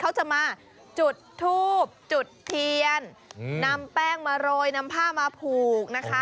เขาจะมาจุดทูบจุดเทียนนำแป้งมาโรยนำผ้ามาผูกนะคะ